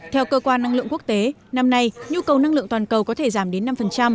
theo cơ quan năng lượng quốc tế năm nay nhu cầu năng lượng toàn cầu có thể giảm đến năm